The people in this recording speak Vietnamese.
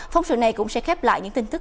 phong số này cũng sẽ khép lại những tin tức